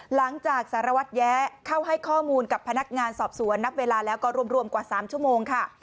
หลังจากสารวัตรแยะเข้าให้ข้อมูลกับพนักงานสอบสวนนับเวลาแล้วก็รวมกว่า๓ชั่วโมงค่ะ